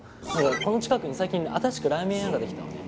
この近くに最近新しくラーメン屋が出来たのね。